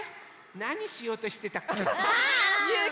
なにしようとしてたっけ？